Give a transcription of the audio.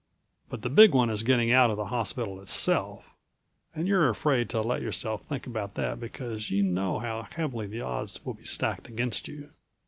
But the Big One is getting out of the hospital itself, and you're afraid to let yourself think about that because you know how heavily the odds will be stacked against you.